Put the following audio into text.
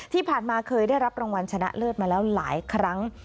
ที่ผ่านมาเคยได้รับรางวัลชนะเลิศมาแล้วหลายครั้ง